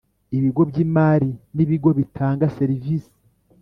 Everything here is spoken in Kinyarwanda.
Ibigo by imari n ibigo bitanga serivisi